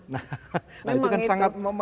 nah itu kan sangat